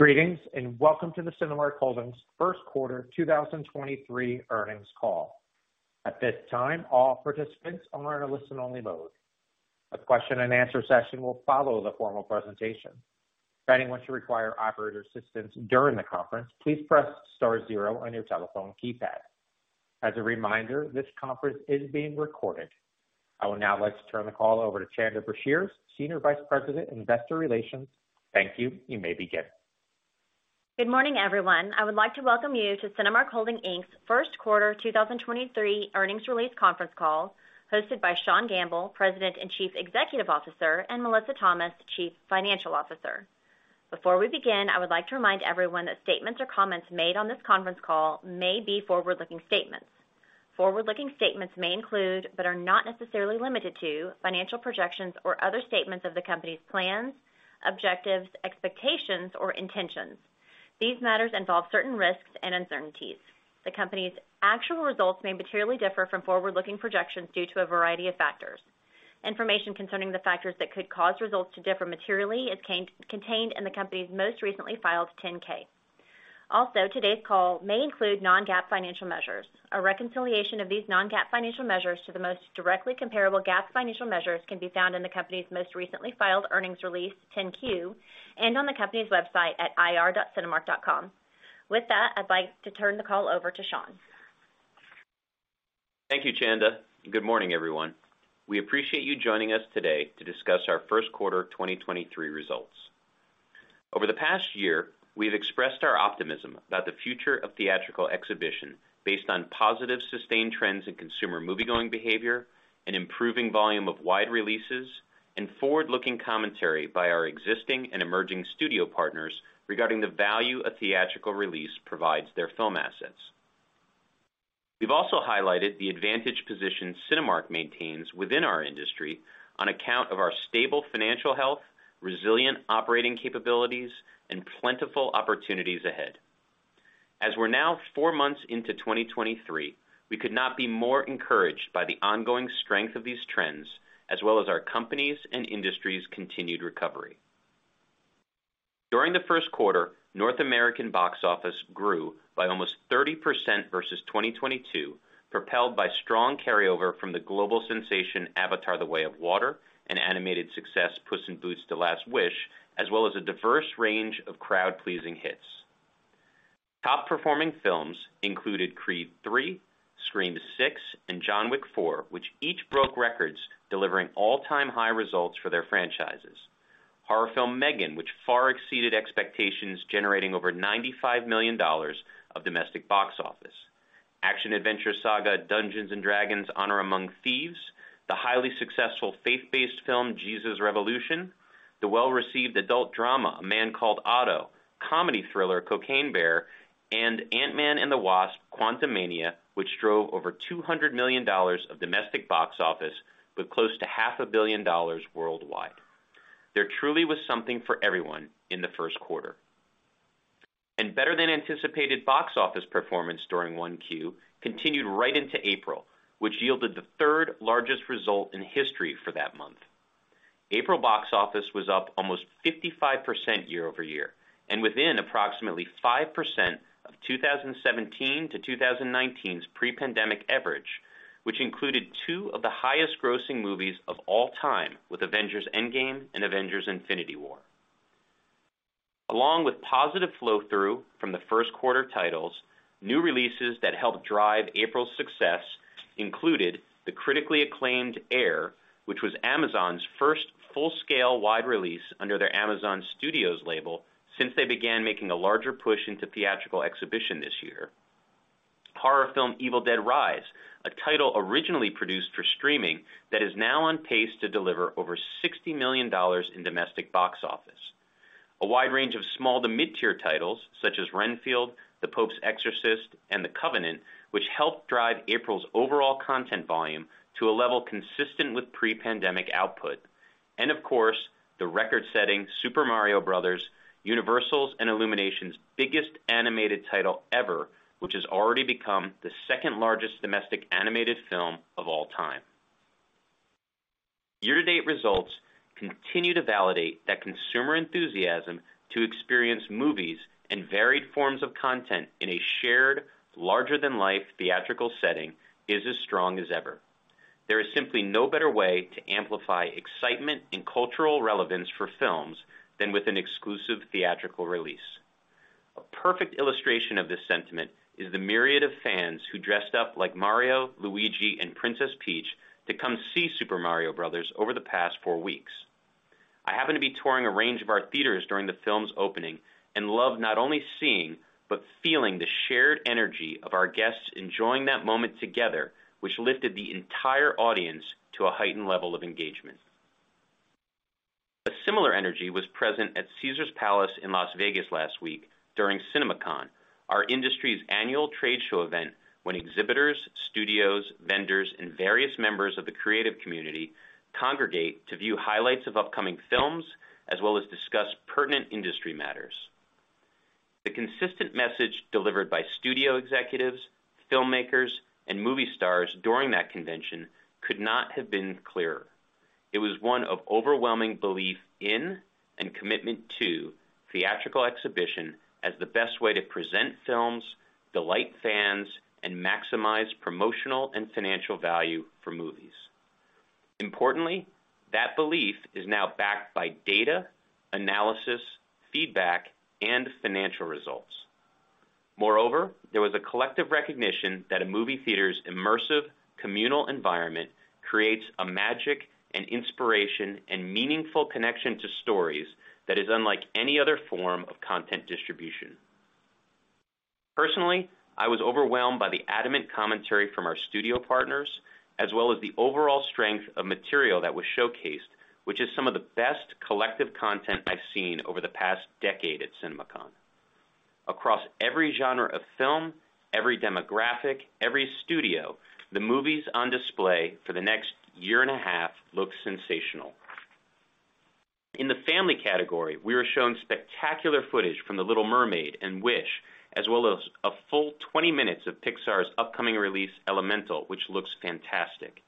Greetings. Welcome to the Cinemark Holdings first quarter 2023 earnings call. At this time, all participants are in a listen-only mode. A question and answer session will follow the formal presentation. If anyone should require operator assistance during the conference, please press star zero on your telephone keypad. As a reminder, this conference is being recorded. I will now like to turn the call over to Chanda Brashears, Senior Vice President, Investor Relations. Thank you. You may begin. Good morning, everyone. I would like to welcome you to Cinemark Holdings, Inc.'s first quarter 2023 earnings release conference call, hosted by Sean Gamble, President and Chief Executive Officer, and Melissa Thomas, Chief Financial Officer. Before we begin, I would like to remind everyone that statements or comments made on this conference call may be forward-looking statements. Forward-looking statements may include, but are not necessarily limited to, financial projections or other statements of the company's plans, objectives, expectations, or intentions. These matters involve certain risks and uncertainties. The company's actual results may materially differ from forward-looking projections due to a variety of factors. Information concerning the factors that could cause results to differ materially is contained in the company's most recently filed 10-K. Also, today's call may include non-GAAP financial measures. A reconciliation of these non-GAAP financial measures to the most directly comparable GAAP financial measures can be found in the company's most recently filed earnings release, 10-Q, and on the company's website at ir.cinemark.com. With that, I'd like to turn the call over to Sean. Thank you, Chanda. Good morning, everyone. We appreciate you joining us today to discuss our first quarter 2023 results. Over the past year, we've expressed our optimism about the future of theatrical exhibition based on positive sustained trends in consumer moviegoing behavior, an improving volume of wide releases, and forward-looking commentary by our existing and emerging studio partners regarding the value a theatrical release provides their film assets. We've also highlighted the advantage position Cinemark maintains within our industry on account of our stable financial health, resilient operating capabilities, and plentiful opportunities ahead. As we're now four months into 2023, we could not be more encouraged by the ongoing strength of these trends, as well as our company's and industry's continued recovery. During the first quarter, North American box office grew by almost 30% versus 2022, propelled by strong carryover from the global sensation Avatar: The Way of Water and animated success Puss in Boots: The Last Wish, as well as a diverse range of crowd-pleasing hits. Top-performing films included Creed III, Scream VI, and John Wick IV, which each broke records delivering all-time high results for their franchises. Horror film M3GAN, which far exceeded expectations, generating over $95 million of domestic box office. Action adventure saga Dungeons & Dragons: Honor Among Thieves, the highly successful faith-based film Jesus Revolution, the well-received adult drama, A Man Called Otto, comedy thriller Cocaine Bear, and Ant-Man and the Wasp: Quantumania, which drove over $200 million of domestic box office with close to half a billion dollars worldwide. There truly was something for everyone in the first quarter. Better than anticipated box office performance during 1Q continued right into April, which yielded the third-largest result in history for that month. April box office was up almost 55% year-over-year and within approximately 5% of 2017-2019's pre-pandemic average, which included two of the highest grossing movies of all time with Avengers: Endgame and Avengers: Infinity War. Along with positive flow-through from the first quarter titles, new releases that helped drive April's success included the critically acclaimed Air, which was Amazon's first full-scale wide release under their Amazon Studios label since they began making a larger push into theatrical exhibition this year. Horror film Evil Dead Rise, a title originally produced for streaming that is now on pace to deliver over $60 million in domestic box office. A wide range of small to mid-tier titles such as Renfield, The Pope's Exorcist, and The Covenant, which helped drive April's overall content volume to a level consistent with pre-pandemic output. Of course, the record-setting Super Mario Bros., Universal's and Illumination's biggest animated title ever, which has already become the second largest domestic animated film of all time. Year-to-date results continue to validate that consumer enthusiasm to experience movies and varied forms of content in a shared, larger-than-life theatrical setting is as strong as ever. There is simply no better way to amplify excitement and cultural relevance for films than with an exclusive theatrical release. A perfect illustration of this sentiment is the myriad of fans who dressed up like Mario, Luigi, and Princess Peach to come see Super Mario Bros. over the past four weeks. I happen to be touring a range of our theaters during the film's opening and love not only seeing but feeling the shared energy of our guests enjoying that moment together, which lifted the entire audience to a heightened level of engagement. A similar energy was present at Caesars Palace in Las Vegas last week during CinemaCon, our industry's annual trade show event, when exhibitors, studios, vendors, and various members of the creative community congregate to view highlights of upcoming films, as well as discuss pertinent industry matters. The consistent message delivered by studio executives, filmmakers, and movie stars during that convention could not have been clearer. It was one of overwhelming belief in and commitment to theatrical exhibition as the best way to present films, delight fans, and maximize promotional and financial value for movies. Importantly, that belief is now backed by data, analysis, feedback, and financial results. Moreover, there was a collective recognition that a movie theater's immersive communal environment creates a magic and inspiration and meaningful connection to stories that is unlike any other form of content distribution. Personally, I was overwhelmed by the adamant commentary from our studio partners, as well as the overall strength of material that was showcased, which is some of the best collective content I've seen over the past decade at CinemaCon. Across every genre of film, every demographic, every studio, the movies on display for the next year and a half look sensational. In the family category, we were shown spectacular footage from The Little Mermaid and Wish, as well as a full 20 minutes of Pixar's upcoming release, Elemental, which looks fantastic.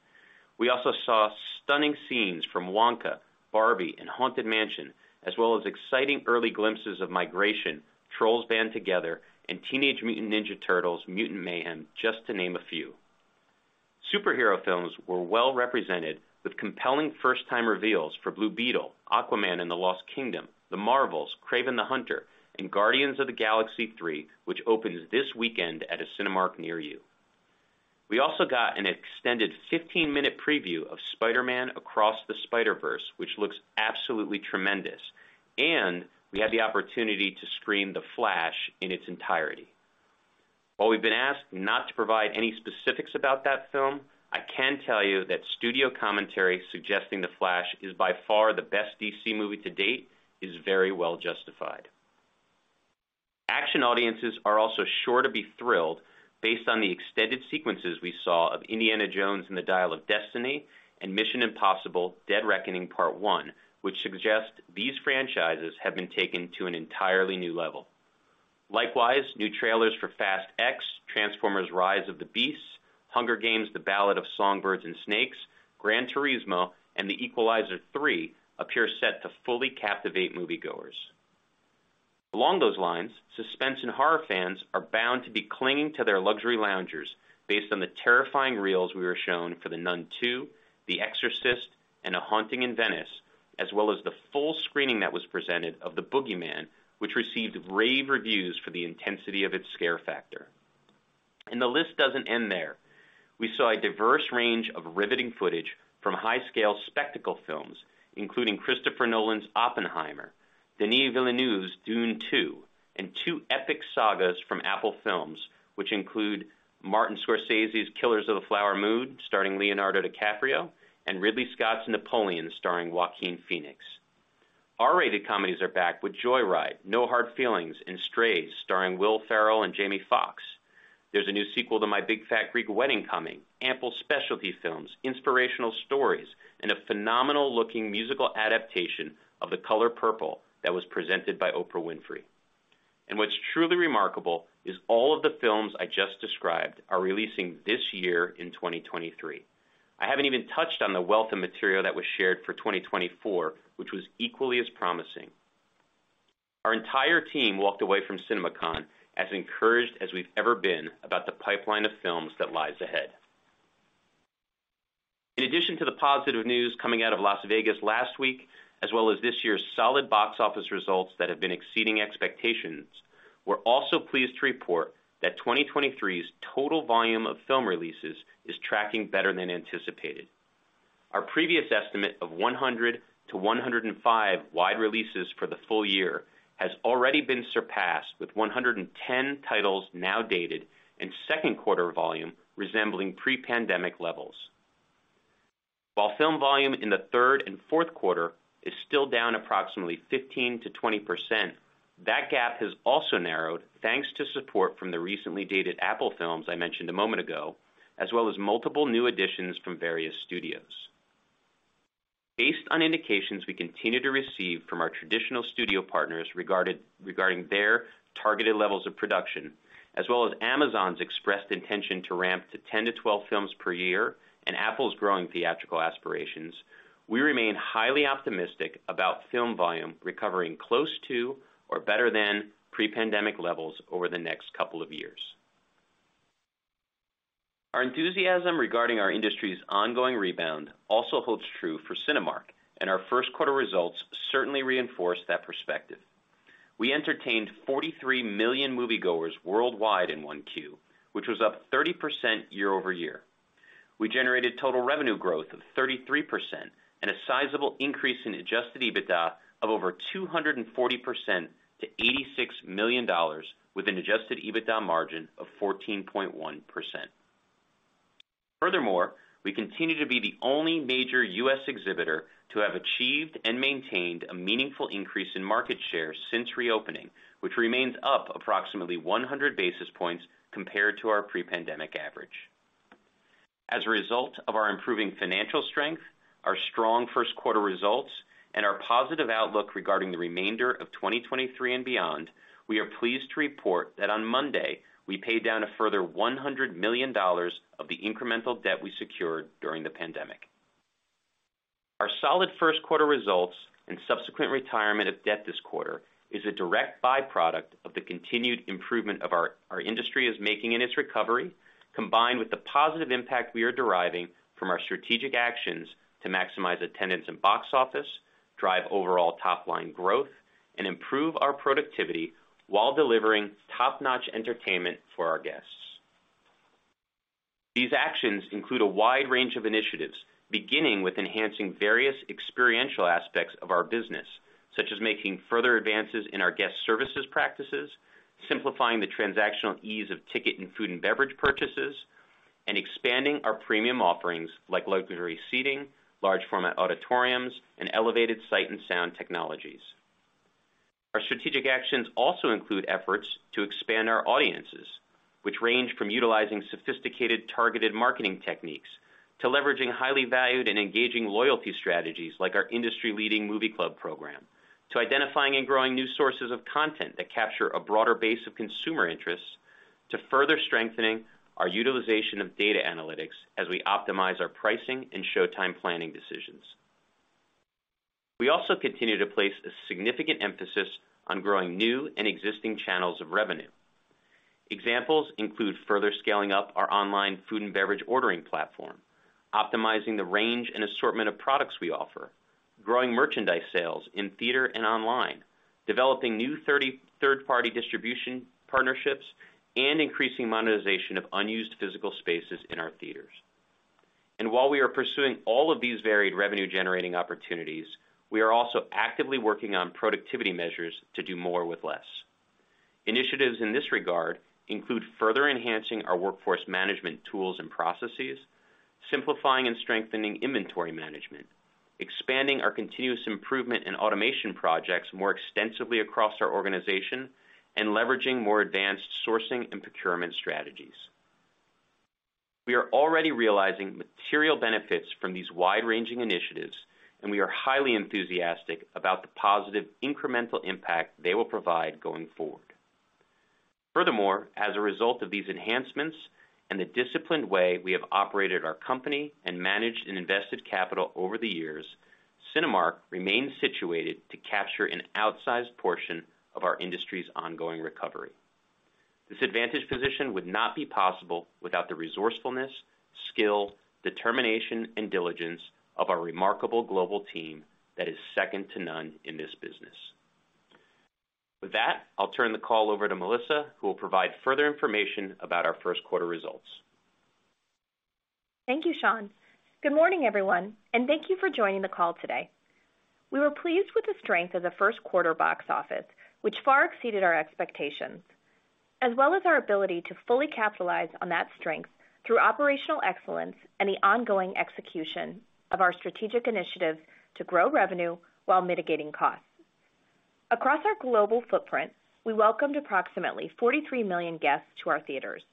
We also saw stunning scenes from Wonka, Barbie, and Haunted Mansion, as well as exciting early glimpses of Migration, Trolls Band Together, and Teenage Mutant Ninja Turtles: Mutant Mayhem, just to name a few. Superhero films were well-represented with compelling first-time reveals for Blue Beetle, Aquaman and the Lost Kingdom, The Marvels, Kraven the Hunter, and Guardians of the Galaxy 3, which opens this weekend at a Cinemark near you. We also got an extended 15-minute preview of Spider-Man: Across the Spider-Verse, which looks absolutely tremendous. We had the opportunity to screen The Flash in its entirety. While we've been asked not to provide any specifics about that film, I can tell you that studio commentary suggesting The Flash is by far the best DC movie to date is very well justified. Action audiences are also sure to be thrilled based on the extended sequences we saw of Indiana Jones and the Dial of Destiny and Mission: Impossible – Dead Reckoning Part One, which suggest these franchises have been taken to an entirely new level. Likewise, new trailers for Fast X, Transformers: Rise of the Beasts, The Hunger Games: The Ballad of Songbirds & Snakes, Gran Turismo, and The Equalizer 3 appear set to fully captivate moviegoers. Along those lines, suspense and horror fans are bound to be clinging to their luxury loungers based on the terrifying reels we were shown for The Nun II, The Exorcist, and A Haunting in Venice, as well as the full screening that was presented of The Boogeyman, which received rave reviews for the intensity of its scare factor. The list doesn't end there. We saw a diverse range of riveting footage from high-scale spectacle films, including Christopher Nolan's Oppenheimer, Denis Villeneuve's Dune Two, and two epic sagas from Apple Films, which include Martin Scorsese's Killers of the Flower Moon, starring Leonardo DiCaprio, and Ridley Scott's Napoleon, starring Joaquin Phoenix. R-rated comedies are back with Joy Ride, No Hard Feelings, and Strays, starring Will Ferrell and Jamie Foxx. There's a new sequel to My Big Fat Greek Wedding coming, ample specialty films, inspirational stories, and a phenomenal-looking musical adaptation of The Color Purple that was presented by Oprah Winfrey. What's truly remarkable is all of the films I just described are releasing this year in 2023. I haven't even touched on the wealth of material that was shared for 2024, which was equally as promising. Our entire team walked away from CinemaCon as encouraged as we've ever been about the pipeline of films that lies ahead. In addition to the positive news coming out of Las Vegas last week, as well as this year's solid box office results that have been exceeding expectations, we're also pleased to report that 2023's total volume of film releases is tracking better than anticipated. Our previous estimate of 100-105 wide releases for the full year has already been surpassed, with 110 titles now dated and second quarter volume resembling pre-pandemic levels. While film volume in the third and fourth quarter is still down approximately 15%-20%, that gap has also narrowed thanks to support from the recently dated Apple films I mentioned a moment ago, as well as multiple new additions from various studios. Based on indications we continue to receive from our traditional studio partners regarding their targeted levels of production, as well as Amazon's expressed intention to ramp to 10-12 films per year and Apple's growing theatrical aspirations, we remain highly optimistic about film volume recovering close to or better than pre-pandemic levels over the next couple of years. Our enthusiasm regarding our industry's ongoing rebound also holds true for Cinemark, and our first quarter results certainly reinforce that perspective. We entertained 43 million moviegoers worldwide in 1Q, which was up 30% year-over-year. We generated total revenue growth of 33% and a sizable increase in Adjusted EBITDA of over 240% to $86 million, with an Adjusted EBITDA margin of 14.1%. Furthermore, we continue to be the only major U.S. exhibitor to have achieved and maintained a meaningful increase in market share since reopening, which remains up approximately 100 basis points compared to our pre-pandemic average. As a result of our improving financial strength, our strong first quarter results, and our positive outlook regarding the remainder of 2023 and beyond, we are pleased to report that on Monday, we paid down a further $100 million of the incremental debt we secured during the pandemic. Our solid first quarter results and subsequent retirement of debt this quarter is a direct byproduct of the continued improvement of our industry is making in its recovery, combined with the positive impact we are deriving from our strategic actions to maximize attendance and box office, drive overall top-line growth, and improve our productivity while delivering top-notch entertainment for our guests. These actions include a wide range of initiatives, beginning with enhancing various experiential aspects of our business, such as making further advances in our guest services practices, simplifying the transactional ease of ticket and food and beverage purchases, and expanding our premium offerings like luxury seating, large format auditoriums, and elevated sight and sound technologies. Our strategic actions also include efforts to expand our audiences, which range from utilizing sophisticated targeted marketing techniques to leveraging highly valued and engaging loyalty strategies like our industry-leading Movie Club program, to identifying and growing new sources of content that capture a broader base of consumer interests to further strengthening our utilization of data analytics as we optimize our pricing and showtime planning decisions. We also continue to place a significant emphasis on growing new and existing channels of revenue. Examples include further scaling up our online food and beverage ordering platform, optimizing the range and assortment of products we offer, growing merchandise sales in theater and online, developing new third-party distribution partnerships, and increasing monetization of unused physical spaces in our theaters. While we are pursuing all of these varied revenue-generating opportunities, we are also actively working on productivity measures to do more with less. Initiatives in this regard include further enhancing our workforce management tools and processes, simplifying and strengthening inventory management, expanding our continuous improvement in automation projects more extensively across our organization, and leveraging more advanced sourcing and procurement strategies. We are already realizing material benefits from these wide-ranging initiatives, and we are highly enthusiastic about the positive incremental impact they will provide going forward. Furthermore, as a result of these enhancements and the disciplined way we have operated our company and managed and invested capital over the years, Cinemark remains situated to capture an outsized portion of our industry's ongoing recovery. This advantage position would not be possible without the resourcefulness, skill, determination, and diligence of our remarkable global team that is second to none in this business. With that, I'll turn the call over to Melissa, who will provide further information about our first quarter results. Thank you, Sean. Good morning, everyone, and thank you for joining the call today. We were pleased with the strength of the first quarter box office, which far exceeded our expectations, as well as our ability to fully capitalize on that strength through operational excellence and the ongoing execution of our strategic initiatives to grow revenue while mitigating costs. Across our global footprint, we welcomed approximately 43 million guests to our theaters,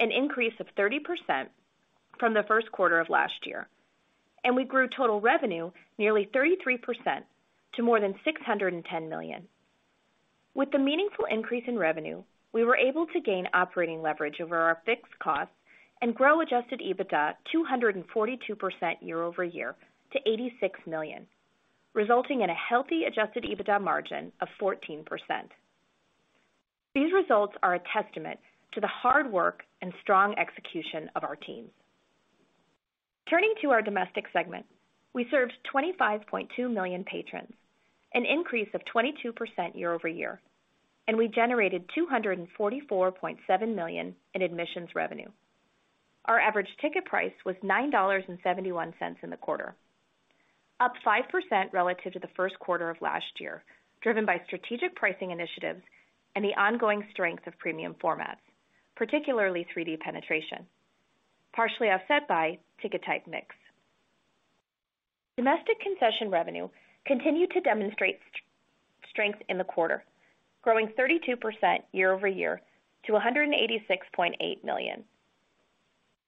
an increase of 30% from the first quarter of last year, and we grew total revenue nearly 33% to more than $610 million. With the meaningful increase in revenue, we were able to gain operating leverage over our fixed costs and grow Adjusted EBITDA 242% year-over-year to $86 million, resulting in a healthy Adjusted EBITDA margin of 14%. These results are a testament to the hard work and strong execution of our teams. Turning to our domestic segment, we served 25.2 million patrons, an increase of 22% year-over-year, and we generated $244.7 million in admissions revenue. Our average ticket price was $9.71 in the quarter, up 5% relative to the first quarter of last year, driven by strategic pricing initiatives and the ongoing strength of premium formats, particularly 3-D penetration, partially offset by ticket type mix. Domestic concession revenue continued to demonstrate strength in the quarter, growing 32% year-over-year to $186.8 million.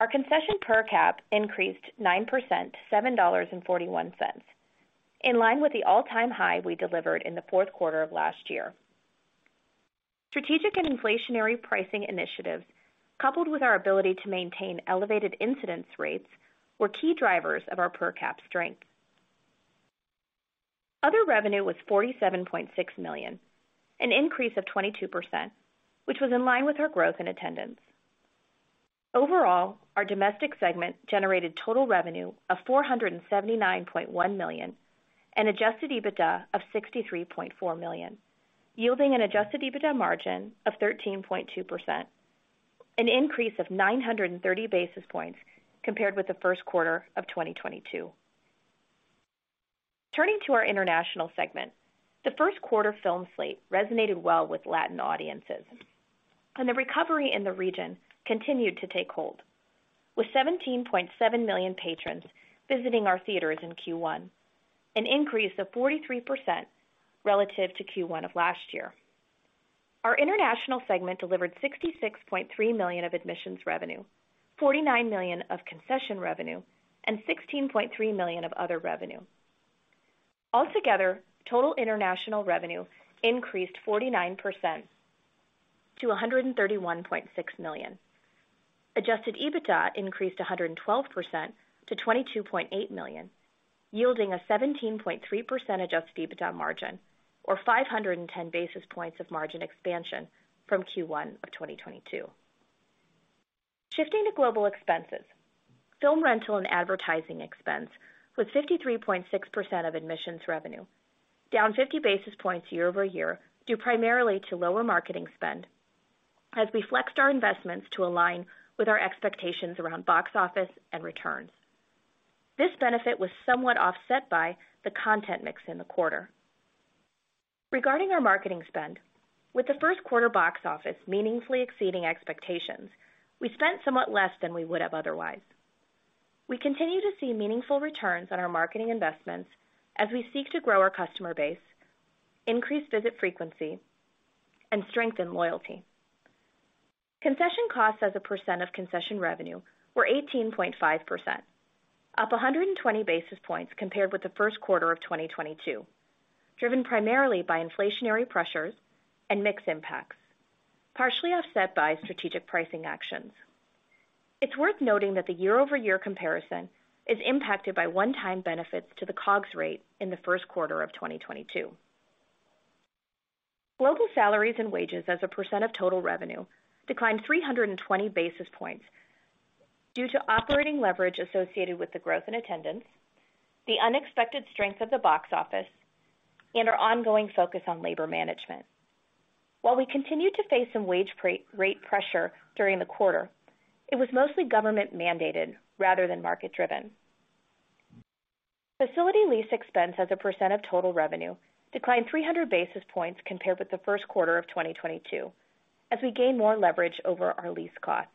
Our concession per cap increased 9% to $7.41, in line with the all-time high we delivered in the fourth quarter of last year. Strategic and inflationary pricing initiatives, coupled with our ability to maintain elevated incidence rates, were key drivers of our per cap strength. Other revenue was $47.6 million, an increase of 22%, which was in line with our growth in attendance. Overall, our domestic segment generated total revenue of $479.1 million and Adjusted EBITDA of $63.4 million, yielding an Adjusted EBITDA margin of 13.2%, an increase of 930 basis points compared with the first quarter of 2022. Turning to our international segment, the first quarter film slate resonated well with Latin audiences, and the recovery in the region continued to take hold, with 17.7 million patrons visiting our theaters in Q1, an increase of 43% relative to Q1 of last year. Our international segment delivered $66.3 million of admissions revenue, $49 million of concession revenue, and $16.3 million of other revenue. Altogether, total international revenue increased 49% to $131.6 million. Adjusted EBITDA increased 112% to $22.8 million, yielding a 17.3% Adjusted EBITDA margin or 510 basis points of margin expansion from Q1 of 2022. Shifting to global expenses. Film rental and advertising expense was 53.6% of admissions revenue, down 50 basis points year-over-year, due primarily to lower marketing spend as we flexed our investments to align with our expectations around box office and returns. This benefit was somewhat offset by the content mix in the quarter. Regarding our marketing spend, with the first quarter box office meaningfully exceeding expectations, we spent somewhat less than we would have otherwise. We continue to see meaningful returns on our marketing investments as we seek to grow our customer base, increase visit frequency, and strengthen loyalty. Concession costs as a percent of concession revenue were 18.5%, up 120 basis points compared with the first quarter of 2022, driven primarily by inflationary pressures and mix impacts, partially offset by strategic pricing actions. It's worth noting that the year-over-year comparison is impacted by one-time benefits to the COGS rate in the first quarter of 2022. Global salaries and wages as a % of total revenue declined 320 basis points due to operating leverage associated with the growth in attendance, the unexpected strength of the box office, and our ongoing focus on labor management. While we continued to face some wage pre-rate pressure during the quarter, it was mostly government-mandated rather than market-driven. Facility lease expense as a % of total revenue declined 300 basis points compared with the first quarter of 2022 as we gain more leverage over our lease costs,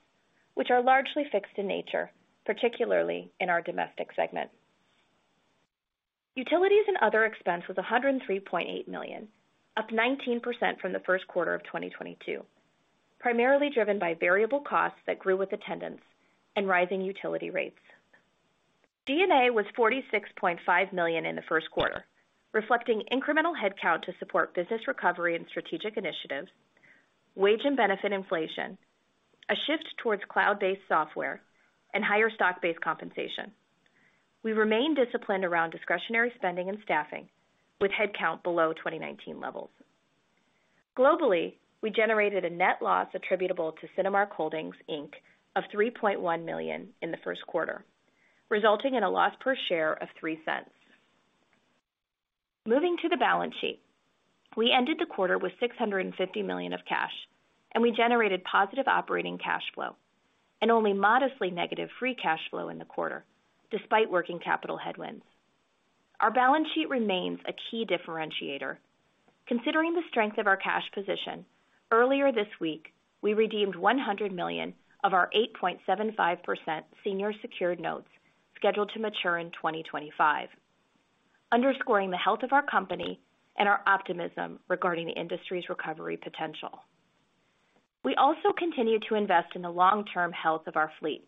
which are largely fixed in nature, particularly in our domestic segment. Utilities and other expense was $103.8 million, up 19% from the first quarter of 2022, primarily driven by variable costs that grew with attendance and rising utility rates. G&A was $46.5 million in the first quarter, reflecting incremental headcount to support business recovery and strategic initiatives, wage and benefit inflation, a shift towards cloud-based software, and higher stock-based compensation. We remain disciplined around discretionary spending and staffing with headcount below 2019 levels. Globally, we generated a net loss attributable to Cinemark Holdings, Inc. of $3.1 million in the first quarter, resulting in a loss per share of $0.03. Moving to the balance sheet. We ended the quarter with $650 million of cash. We generated positive operating cash flow and only modestly negative free cash flow in the quarter despite working capital headwinds. Our balance sheet remains a key differentiator. Considering the strength of our cash position, earlier this week, we redeemed $100 million of our 8.75% Senior Secured Notes scheduled to mature in 2025, underscoring the health of our company and our optimism regarding the industry's recovery potential. We also continue to invest in the long-term health of our fleet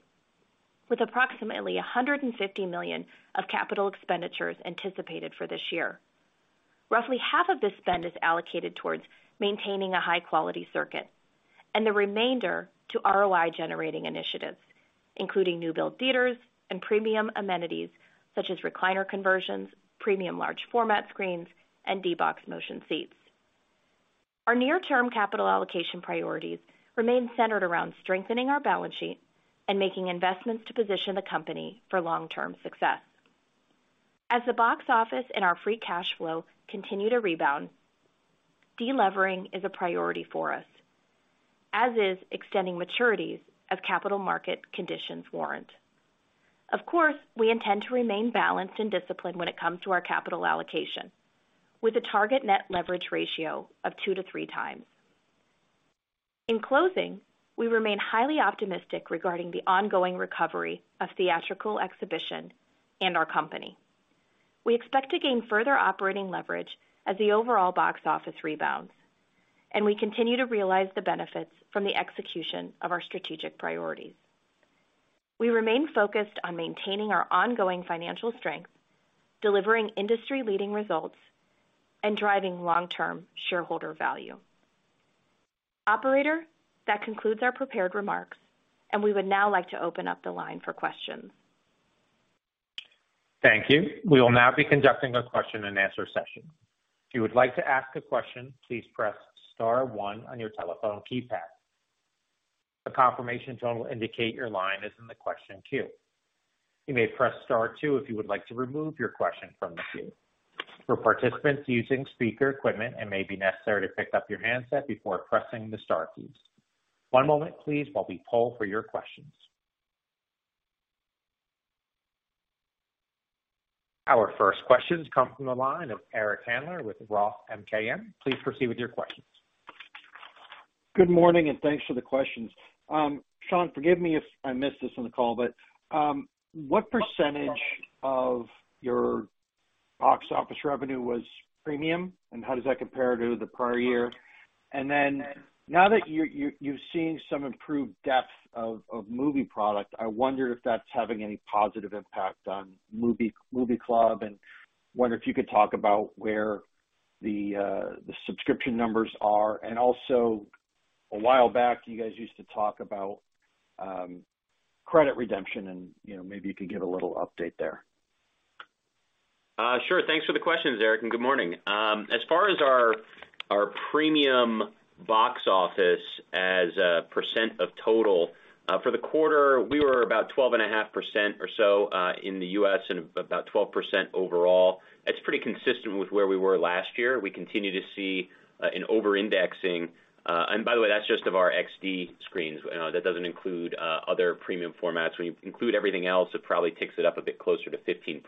with approximately $150 million of capital expenditures anticipated for this year. Roughly half of this spend is allocated towards maintaining a high-quality circuit and the remainder to ROI-generating initiatives, including new build theaters and premium amenities such as recliner conversions, premium large format screens, and D-BOX motion seats. Our near-term capital allocation priorities remain centered around strengthening our balance sheet and making investments to position the company for long-term success. As the box office and our free cash flow continue to rebound, de-levering is a priority for us, as is extending maturities as capital market conditions warrant. Of course, we intend to remain balanced and disciplined when it comes to our capital allocation with a target net leverage ratio of two to three times. In closing, we remain highly optimistic regarding the ongoing recovery of theatrical exhibition in our company. We expect to gain further operating leverage as the overall box office rebounds, and we continue to realize the benefits from the execution of our strategic priorities. We remain focused on maintaining our ongoing financial strength, delivering industry-leading results, and driving long-term shareholder value. Operator, that concludes our prepared remarks, and we would now like to open up the line for questions. Thank you. We will now be conducting a question-and-answer session. If you would like to ask a question, please press star one on your telephone keypad. The confirmation tone will indicate your line is in the question queue. You may press Star two if you would like to remove your question from the queue. For participants using speaker equipment, it may be necessary to pick up your handset before pressing the star keys. One moment please, while we poll for your questions. Our first questions come from the line of Eric Handler with ROTH MKM. Please proceed with your questions. Good morning, thanks for the questions. Sean, forgive me if I missed this on the call, but, what percentage of your Box office revenue was premium. How does that compare to the prior year? Now that you've seen some improved depth of movie product, I wonder if that's having any positive impact on Movie Club, and wonder if you could talk about where the subscription numbers are. Also, a while back, you guys used to talk about credit redemption and, you know, maybe you could give a little update there. Sure. Thanks for the questions, Eric, and good morning. As far as our premium box office as a percent of total, for the quarter, we were about 12.5% or so, in the U.S. and about 12% overall. That's pretty consistent with where we were last year. We continue to see an over-indexing. By the way, that's just of our XD screens. That doesn't include other premium formats. When you include everything else, it probably takes it up a bit closer to 15%.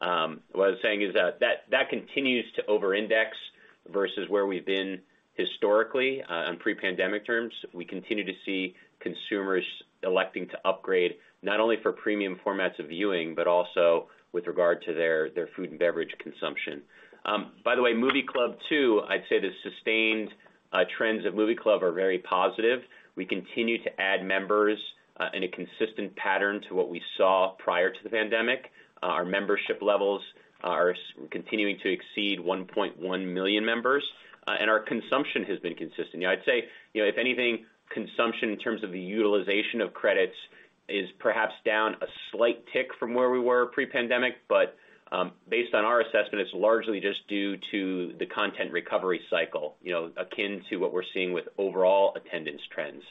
What I was saying is that continues to over-index versus where we've been historically, on pre-pandemic terms. We continue to see consumers electing to upgrade not only for premium formats of viewing, but also with regard to their food and beverage consumption. By the way, Movie Club, too. I'd say the sustained trends of Movie Club are very positive. We continue to add members in a consistent pattern to what we saw prior to the pandemic. Our membership levels are continuing to exceed 1.1 million members, and our consumption has been consistent. You know, I'd say, you know, if anything, consumption in terms of the utilization of credits is perhaps down a slight tick from where we were pre-pandemic, but based on our assessment, it's largely just due to the content recovery cycle, you know, akin to what we're seeing with overall attendance trends.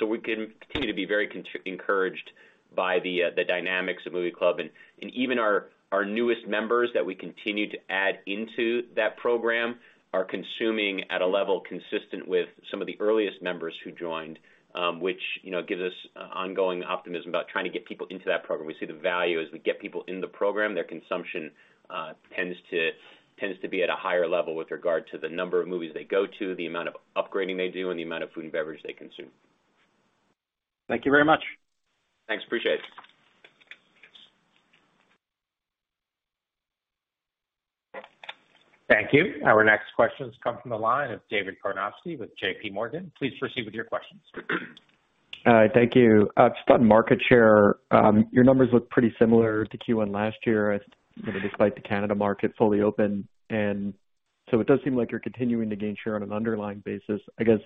We continue to be very encouraged by the dynamics of Movie Club and even our newest members that we continue to add into that program are consuming at a level consistent with some of the earliest members who joined, which, you know, gives us ongoing optimism about trying to get people into that program. We see the value as we get people in the program, their consumption tends to be at a higher level with regard to the number of movies they go to, the amount of upgrading they do, and the amount of food and beverage they consume. Thank you very much. Thanks. Appreciate it. Thank you. Our next question has come from the line of David Karnovsky with JPMorgan. Please proceed with your questions. All right. Thank you. Just on market share, your numbers look pretty similar to Q1 last year, you know, despite the Canada market fully open. It does seem like you're continuing to gain share on an underlying basis. I guess,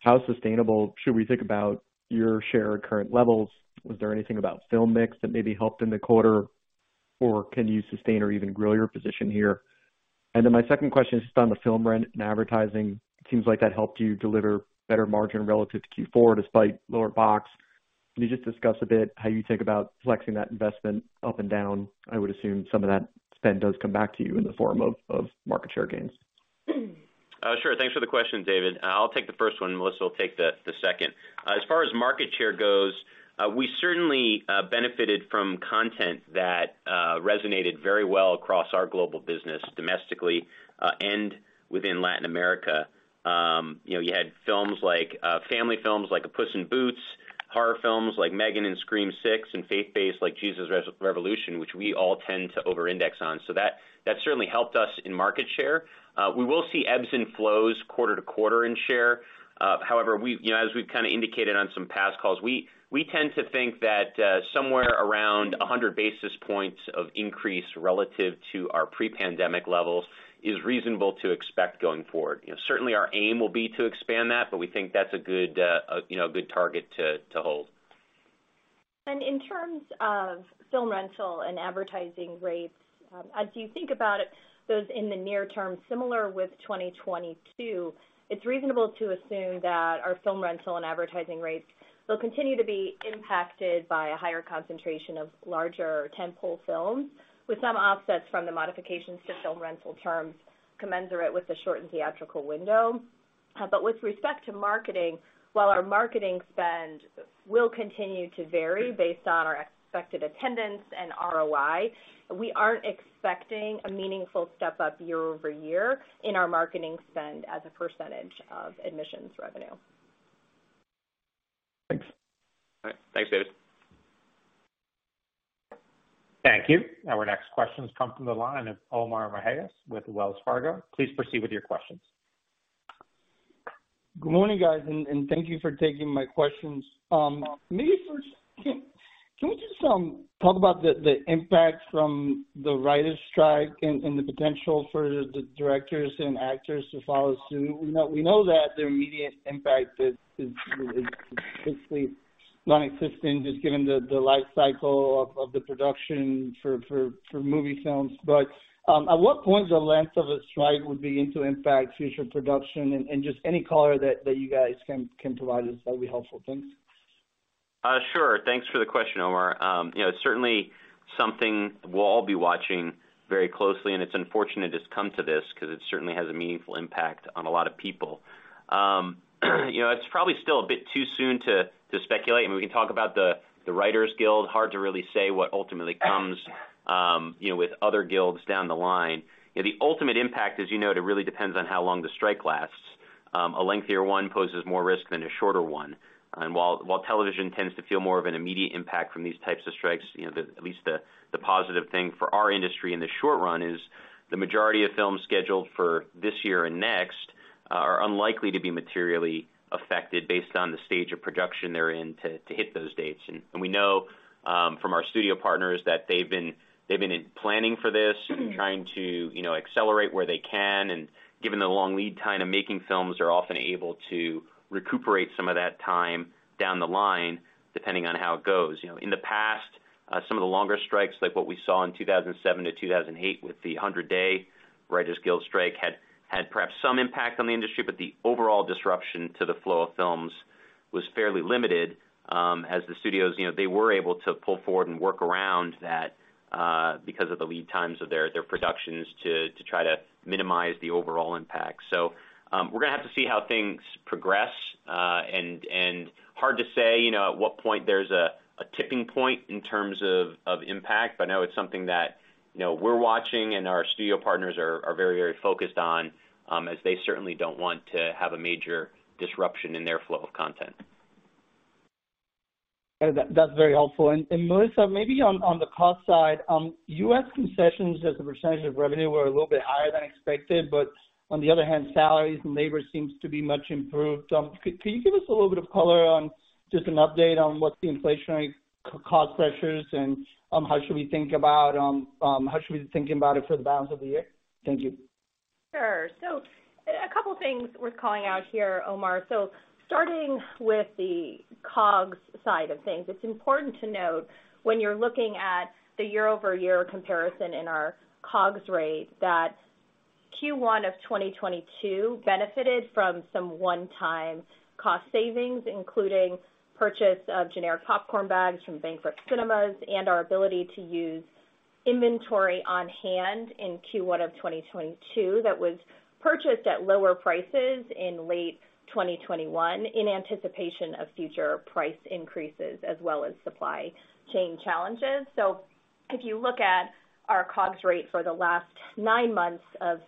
how sustainable should we think about your share at current levels? Was there anything about film mix that maybe helped in the quarter? Can you sustain or even grow your position here? My second question is just on the film rent and advertising. It seems like that helped you deliver better margin relative to Q4, despite lower box. Can you just discuss a bit how you think about flexing that investment up and down? I would assume some of that spend does come back to you in the form of market share gains. Sure. Thanks for the question, David. I'll take the first one, Melissa will take the second. As far as market share goes, we certainly benefited from content that resonated very well across our global business domestically and within Latin America. You know, you had family films like Puss in Boots, horror films like M3GAN and Scream VI, and faith-based like Jesus Revolution, which we all tend to over-index on. That certainly helped us in market share. We will see ebbs and flows quarter to quarter in share. However, you know, as we've kinda indicated on some past calls, we tend to think that somewhere around 100 basis points of increase relative to our pre-pandemic levels is reasonable to expect going forward. You know, certainly our aim will be to expand that, but we think that's a good, you know, good target to hold. In terms of film rental and advertising rates, as you think about it, those in the near term, similar with 2022, it's reasonable to assume that our film rental and advertising rates will continue to be impacted by a higher concentration of larger tent-pole films, with some offsets from the modifications to film rental terms commensurate with the shortened theatrical window. With respect to marketing, while our marketing spend will continue to vary based on our expected attendance and ROI, we aren't expecting a meaningful step-up year-over-year in our marketing spend as a % of admissions revenue. Thanks. All right. Thanks, David. Thank you. Our next question comes from the line of Omar Mejias with Wells Fargo. Please proceed with your questions. Good morning, guys, and thank you for taking my questions. Maybe first, can we just talk about the impact from the Writers' strike and the potential for the directors and actors to follow suit? We know that their immediate impact is basically non-existent, just given the life cycle of the production for movie films. At what point the length of a strike would begin to impact future production? And just any color that you guys can provide us, that'd be helpful. Thanks. Sure. Thanks for the question, Omar. You know, it's certainly something we'll all be watching very closely, and it's unfortunate it's come to this 'cause it certainly has a meaningful impact on a lot of people. You know, it's probably still a bit too soon to speculate. I mean, we can talk about the Writers Guild. Hard to really say what ultimately comes, you know, with other guilds down the line. You know, the ultimate impact, as you know, it really depends on how long the strike lasts. A lengthier one poses more risk than a shorter one. While television tends to feel more of an immediate impact from these types of strikes, you know, at least the positive thing for our industry in the short run is the majority of films scheduled for this year and next are unlikely to be materially affected based on the stage of production they're in to hit those dates. We know from our studio partners that they've been in planning for this and trying to, you know, accelerate where they can, and given the long lead time of making films, are often able to recuperate some of that time down the line depending on how it goes. You know, in the past, some of the longer strikes like what we saw in 2007 to 2008 with the 100-day Writers Guild strike had perhaps some impact on the industry. The overall disruption to the flow of films was fairly limited, as the studios, you know, they were able to pull forward and work around that, because of the lead times of their productions to try to minimize the overall impact. We're gonna have to see how things progress, and hard to say, you know, at what point there's a tipping point in terms of impact, but I know it's something that, you know, we're watching and our studio partners are very, very focused on, as they certainly don't want to have a major disruption in their flow of content. That's very helpful. Melissa, maybe on the cost side, U.S. concessions as a % of revenue were a little bit higher than expected, but on the other hand, salaries and labor seems to be much improved. Can you give us a little bit of color on just an update on what the inflationary cost pressures and how should we be thinking about it for the balance of the year? Thank you. Sure. A couple of things worth calling out here, Omar. Starting with the COGS side of things, it's important to note when you're looking at the year-over-year comparison in our COGS rate, that Q1 of 2022 benefited from some one-time cost savings, including purchase of generic popcorn bags from bankrupt cinemas and our ability to use inventory on-hand in Q1 of 2022 that was purchased at lower prices in late 2021 in anticipation of future price increases as well as supply chain challenges. If you look at our COGS rate for the last 9 months of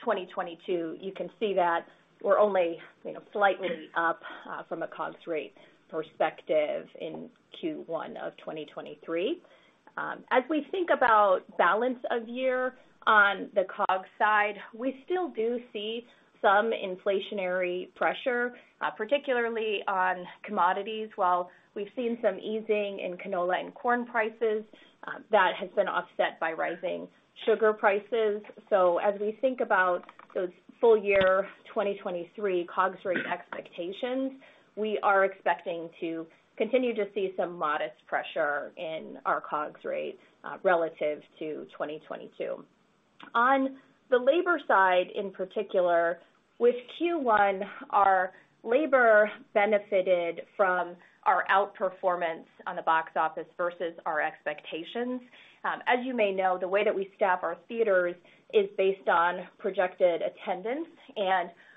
2022, you can see that we're only, you know, slightly up from a COGS rate perspective in Q1 of 2023. As we think about balance of year on the COGS side, we still do see some inflationary pressure, particularly on commodities. While we've seen some easing in canola and corn prices, that has been offset by rising sugar prices. As we think about those full-year 2023 COGS rate expectations, we are expecting to continue to see some modest pressure in our COGS rates relative to 2022. On the labor side, in particular, with Q1, our labor benefited from our outperformance on the box office versus our expectations. As you may know, the way that we staff our theaters is based on projected attendance.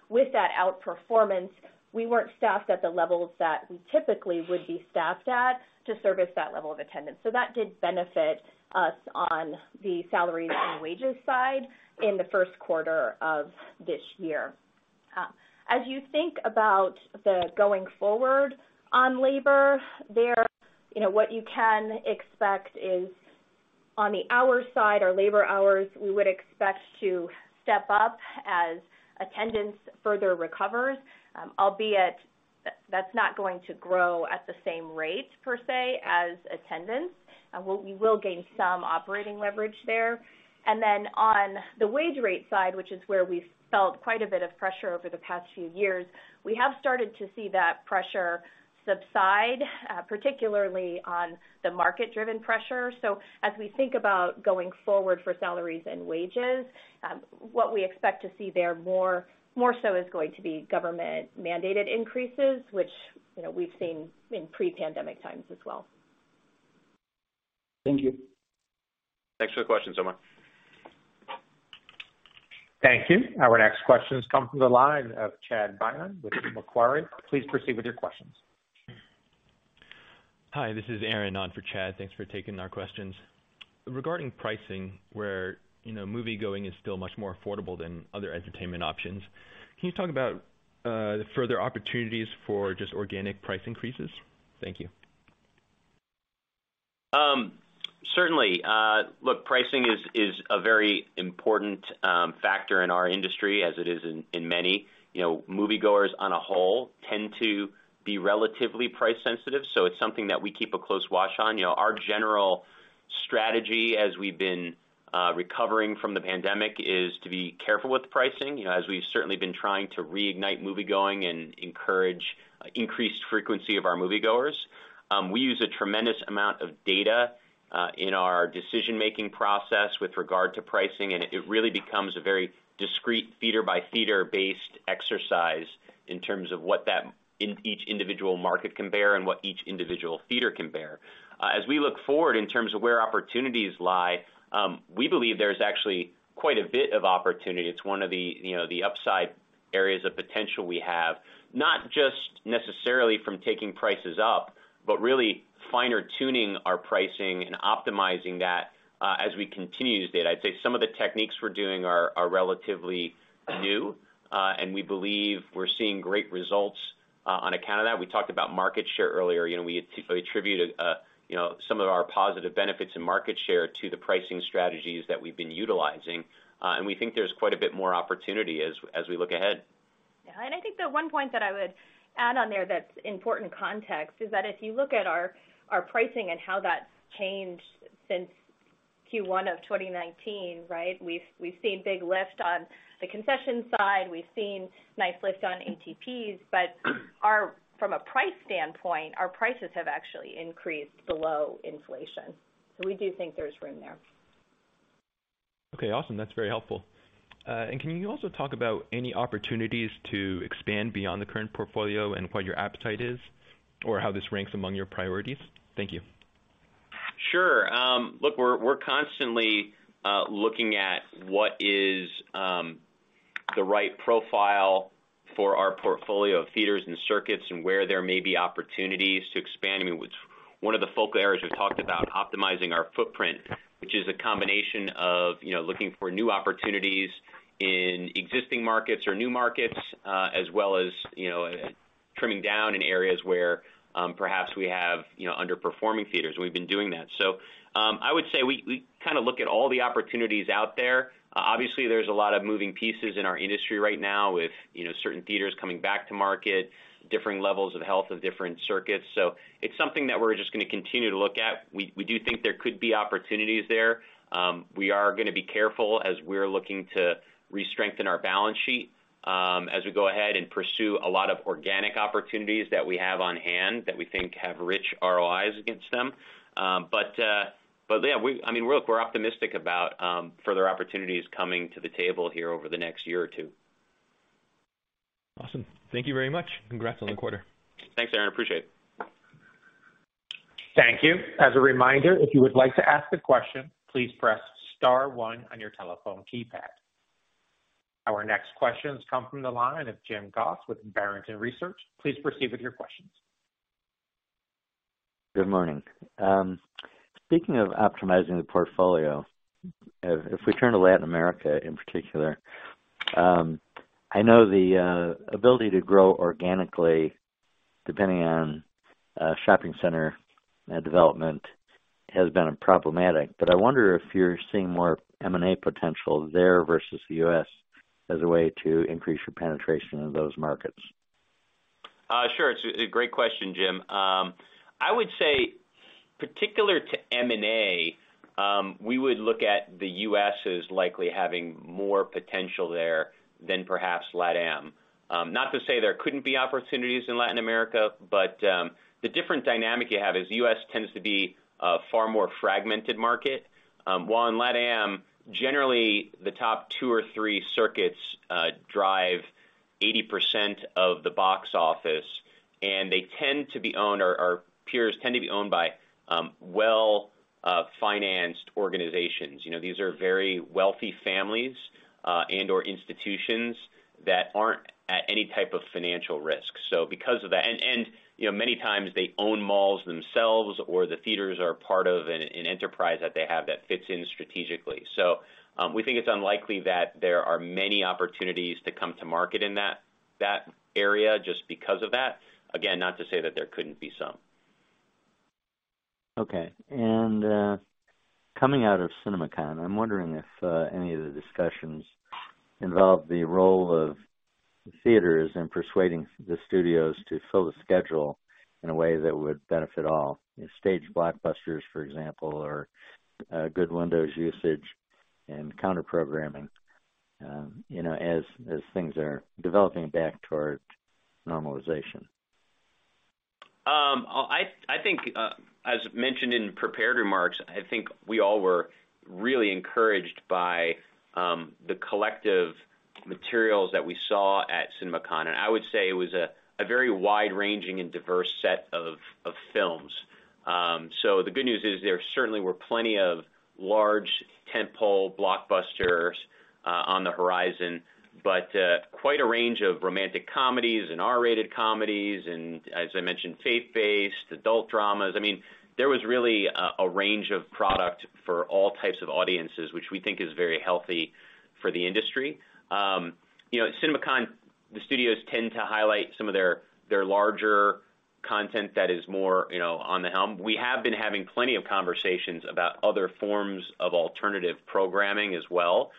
With that outperformance, we weren't staffed at the levels that we typically would be staffed at to service that level of attendance. That did benefit us on the salaries and wages side in the first quarter of this year. As you think about the going forward on labor there, you know, what you can expect is on the hour side or labor hours, we would expect to step up as attendance further recovers. Albeit that's not going to grow at the same rate per se, as attendance. We will gain some operating leverage there. On the wage rate side, which is where we've felt quite a bit of pressure over the past few years, we have started to see that pressure subside, particularly on the market-driven pressure. As we think about going forward for salaries and wages, what we expect to see there more so is going to be government-mandated increases, which, you know, we've seen in pre-pandemic times as well. Thank you. Thanks for the question, Omar. Thank you. Our next question comes from the line of Chad Beynon with Macquarie. Please proceed with your questions. Hi, this is Aaron on for Chad. Thanks for taking our questions. Regarding pricing, where, you know, moviegoing is still much more affordable than other entertainment options, can you talk about the further opportunities for just organic price increases? Thank you. Certainly. Look, pricing is a very important factor in our industry as it is in many. You know, moviegoers on a whole tend to be relatively price-sensitive, so it's something that we keep a close watch on. You know, our general strategy as we've been recovering from the pandemic is to be careful with pricing, you know, as we've certainly been trying to reignite moviegoing and encourage increased frequency of our moviegoers. We use a tremendous amount of data in our decision-making process with regard to pricing, and it really becomes a very discreet theater-by-theater based exercise in terms of what that in each individual market can bear and what each individual theater can bear. As we look forward in terms of where opportunities lie, we believe there's actually quite a bit of opportunity. It's one of the, you know, the upside areas of potential we have, not just necessarily from taking prices up. But really finer tuning our pricing and optimizing that, as we continue to do that. I'd say some of the techniques we're doing are relatively new, and we believe we're seeing great results on account of that. We talked about market share earlier. You know, we attributed, you know, some of our positive benefits in market share to the pricing strategies that we've been utilizing, and we think there's quite a bit more opportunity as we look ahead. I think the one point that I would add on there that's important context is that if you look at our pricing and how that's changed since Q1 of 2019, right? We've seen big lift on the concession side. We've seen nice lift on ATPs, but from a price standpoint, our prices have actually increased below inflation. We do think there's room there. Okay, awesome. That's very helpful. Can you also talk about any opportunities to expand beyond the current portfolio and what your appetite is or how this ranks among your priorities? Thank you. Sure. Look, we're constantly looking at what is the right profile for our portfolio of theaters and circuits and where there may be opportunities to expand. I mean, it's one of the focal areas we've talked about optimizing our footprint, which is a combination of, you know, looking for new opportunities in existing markets or new markets, as well as, you know, trimming down in areas where perhaps we have, you know, underperforming theaters. We've been doing that. I would say we kind of look at all the opportunities out there. Obviously, there's a lot of moving pieces in our industry right now with, you know, certain theaters coming back to market, differing levels of health of different circuits. It's something that we're just gonna continue to look at. We, we do think there could be opportunities there. We are gonna be careful as we're looking to re-strengthen our balance sheet, as we go ahead and pursue a lot of organic opportunities that we have on hand that we think have rich ROIs against them. Yeah, I mean, look, we're optimistic about further opportunities coming to the table here over the next year or two. Awesome. Thank you very much. Congrats on the quarter. Thanks, Aaron. Appreciate it. Thank you. As a reminder, if you would like to ask a question, please press star one on your telephone keypad. Our next question comes from the line of Jim Goss with Barrington Research. Please proceed with your questions. Good morning. Speaking of optimizing the portfolio, if we turn to Latin America in particular, I know the ability to grow organically, depending on shopping center development, has been problematic. I wonder if you're seeing more M&A potential there versus the US as a way to increase your penetration in those markets. Sure. It's a great question, Jim. I would say particular to M&A, we would look at the U.S. as likely having more potential there than perhaps LatAm. Not to say there couldn't be opportunities in Latin America, but the different dynamic you have is U.S. tends to be a far more fragmented market, while in LatAm, generally the top two or three circuits drive 80% of the box office, and they tend to be owned or peers tend to be owned by well-financed organizations. You know, these are very wealthy families, and/or institutions that aren't at any type of financial risk. Because of that... You know, many times they own malls themselves or the theaters are part of an enterprise that they have that fits in strategically. We think it's unlikely that there are many opportunities to come to market in that area just because of that. Again, not to say that there couldn't be some. Okay. coming out of CinemaCon, I'm wondering if any of the discussions involved the role of theaters in persuading the studios to fill the schedule in a way that would benefit all. You know, stage blockbusters, for example, or good windows usage and counter-programming, you know, as things are developing back toward normalization. I think, as mentioned in prepared remarks, I think we all were really encouraged by the collective materials that we saw at CinemaCon. I would say it was a very wide-ranging and diverse set of films. The good news is there certainly were plenty of large tent-pole blockbusters on the horizon, quite a range of romantic comedies and R-rated comedies and, as I mentioned, faith-based, adult dramas. I mean, there was really a range of product for all types of audiences, which we think is very healthy for the industry. You know, at CinemaCon, the studios tend to highlight some of their larger content that is more, you know, on the helm. We have been having plenty of conversations about other forms of alternative programming as well,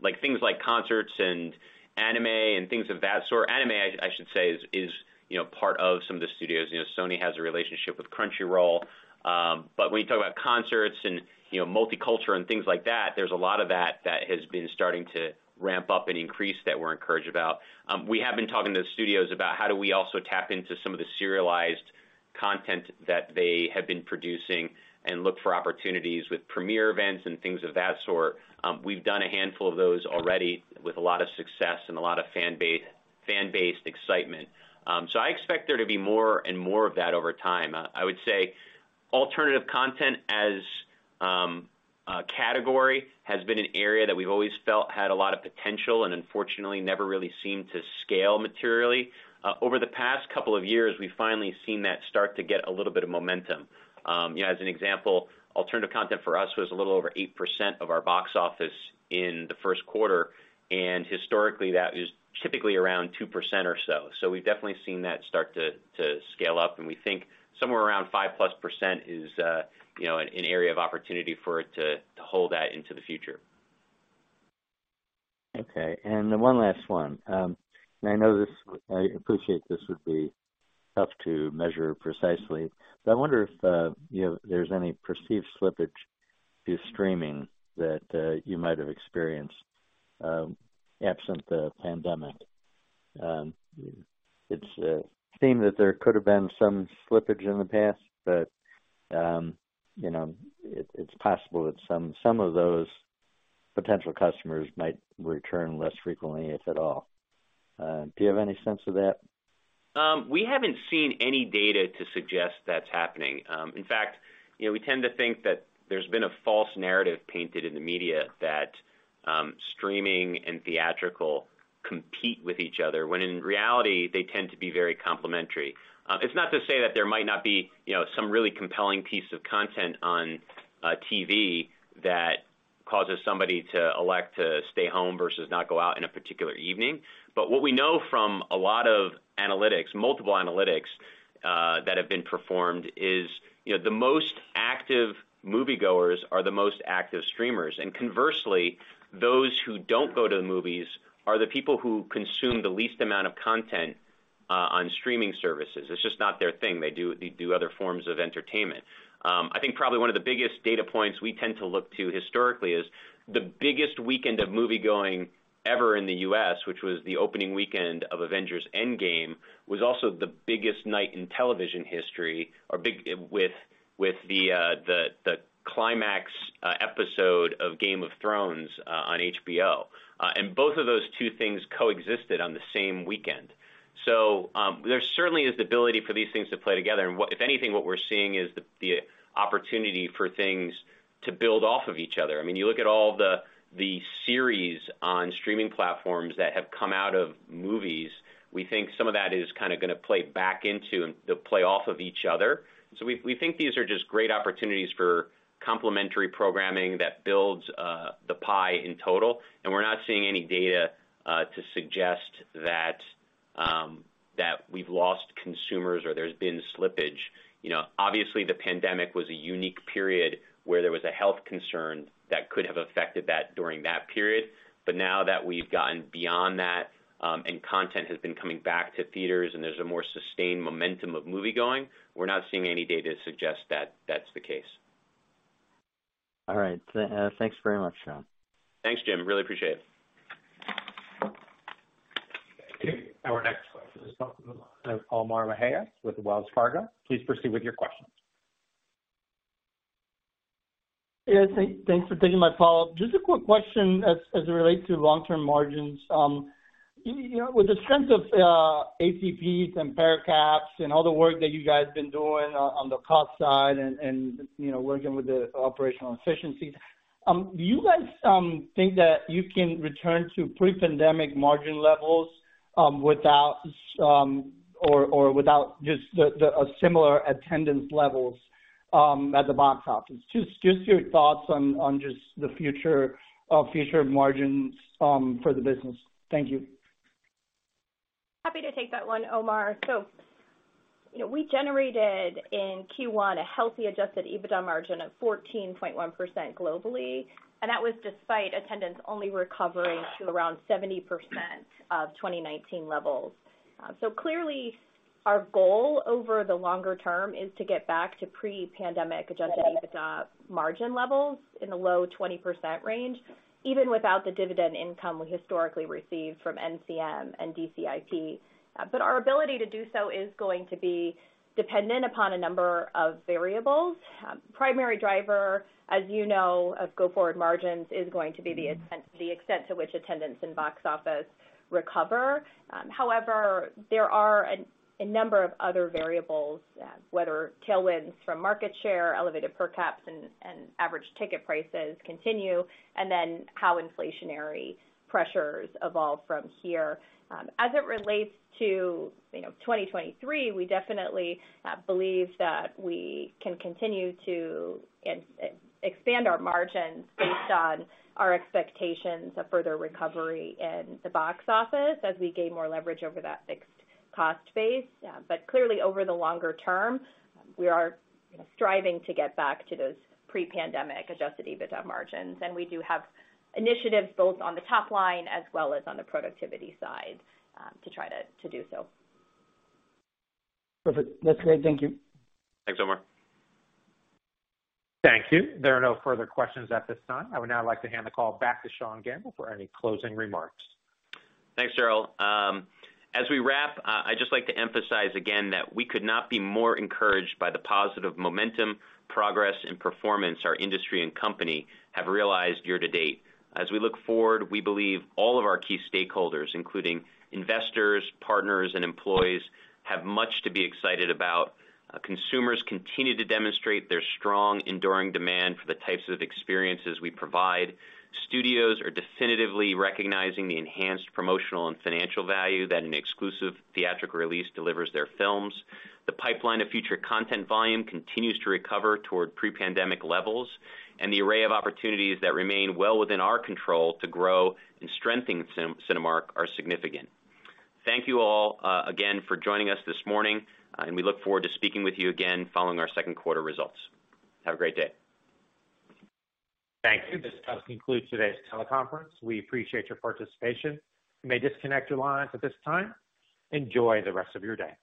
like things like concerts and anime and things of that sort. Anime, I should say is, you know, part of some of the studios. You know, Sony has a relationship with Crunchyroll. When you talk about concerts and, you know, multicultural and things like that, there's a lot of that that has been starting to ramp up and increase that we're encouraged about. We have been talking to the studios about how do we also tap into some of the serialized content that they have been producing and look for opportunities with premiere events and things of that sort. We've done a handful of those already with a lot of success and a lot of fan-based excitement. I expect there to be more and more of that over time. I would say alternative content as Category has been an area that we've always felt had a lot of potential and unfortunately never really seemed to scale materially. Over the past couple of years, we've finally seen that start to get a little bit of momentum. You know, as an example, alternative content for us was a little over 8% of our box office in the first quarter, and historically, that is typically around 2% or so. We've definitely seen that start to scale up, and we think somewhere around 5%+ is, you know, an area of opportunity for it to hold that into the future. Okay. Then one last one. I know I appreciate this would be tough to measure precisely, but I wonder if, you know, there's any perceived slippage to streaming that you might have experienced, absent the pandemic. It's seemed that there could have been some slippage in the past, but, you know, it's possible that some of those potential customers might return less frequently, if at all. Do you have any sense of that? We haven't seen any data to suggest that's happening. In fact, you know, we tend to think that there's been a false narrative painted in the media that streaming and theatrical compete with each other, when in reality, they tend to be very complementary. It's not to say that there might not be, you know, some really compelling piece of content on TV that causes somebody to elect to stay home versus not go out in a particular evening. What we know from a lot of analytics, multiple analytics that have been performed is, you know, the most active moviegoers are the most active streamers. Conversely, those who don't go to the movies are the people who consume the least amount of content on streaming services. It's just not their thing. They do other forms of entertainment. I think probably one of the biggest data points we tend to look to historically is the biggest weekend of moviegoing ever in the U.S., which was the opening weekend of Avengers: Endgame, was also the biggest night in television history, with the climax episode of Game of Thrones on HBO. Both of those two things coexisted on the same weekend. There certainly is the ability for these things to play together, and if anything, what we're seeing is the opportunity for things to build off of each other. I mean, you look at all the series on streaming platforms that have come out of movies, we think some of that is kinda gonna play back into and they'll play off of each other. We think these are just great opportunities for complementary programming that builds the pie in total, and we're not seeing any data to suggest that we've lost consumers or there's been slippage. You know, obviously the pandemic was a unique period where there was a health concern that could have affected that during that period. Now that we've gotten beyond that, and content has been coming back to theaters and there's a more sustained momentum of moviegoing, we're not seeing any data to suggest that that's the case. All right. thanks very much, Sean. Thanks, Jim. Really appreciate it. Thank you. Our next question is coming from Omar Mejias with Wells Fargo. Please proceed with your question. Thanks for taking my call. Just a quick question as it relates to long-term margins. You know, with the strength of ACPs and per caps and all the work that you guys been doing on the cost side and, you know, working with the operational efficiencies, do you guys think that you can return to pre-pandemic margin levels without or without just a similar attendance levels at the box office? Just your thoughts on future margins for the business. Thank you. Happy to take that one, Omar. You know, we generated in Q1 a healthy Adjusted EBITDA margin of 14.1% globally, and that was despite attendance only recovering to around 70% of 2019 levels. Clearly our goal over the longer term is to get back to pre-pandemic Adjusted EBITDA margin levels in the low 20% range, even without the dividend income we historically received from NCM and DCIP. Our ability to do so is going to be dependent upon a number of variables. Primary driver, as you know, of go-forward margins is going to be the extent to which attendance and box office recover. However, there are a number of other variables, whether tailwinds from market share, elevated per caps and average ticket prices continue, and then how inflationary pressures evolve from here. As it relates to, you know, 2023, we definitely believe that we can continue to expand our margins based on our expectations of further recovery in the box office as we gain more leverage over that fixed cost base. But clearly over the longer term, we are, you know, striving to get back to those pre-pandemic Adjusted EBITDA margins, and we do have initiatives both on the top line as well as on the productivity side, to try to do so. Perfect. That's great. Thank you. Thanks, Omar. Thank you. There are no further questions at this time. I would now like to hand the call back to Sean Gamble for any closing remarks. Thanks, Gerald. As we wrap, I'd just like to emphasize again that we could not be more encouraged by the positive momentum, progress, and performance our industry and company have realized year to date. As we look forward, we believe all of our key stakeholders, including investors, partners, and employees, have much to be excited about. Consumers continue to demonstrate their strong, enduring demand for the types of experiences we provide. Studios are definitively recognizing the enhanced promotional and financial value that an exclusive theatrical release delivers their films. The pipeline of future content volume continues to recover toward pre-pandemic levels. The array of opportunities that remain well within our control to grow and strengthen Cinemark are significant. Thank you all again for joining us this morning, and we look forward to speaking with you again following our second quarter results. Have a great day. Thank you. This does conclude today's teleconference. We appreciate your participation. You may disconnect your lines at this time. Enjoy the rest of your day.